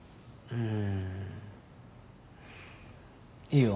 うん。